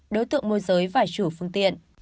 đối tượng môi giới và chủ phương tiện